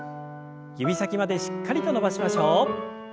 指先までしっかりと伸ばしましょう。